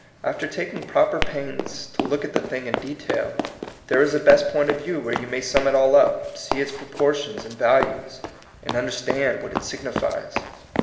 After taking proper pains to look at the thing in detail, there is a best point of view where you may sum it all up, see its proportions and values, and understand what it signifies.